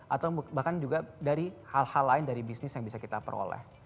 atau bahkan juga dari hal hal lain dari bisnis yang bisa kita peroleh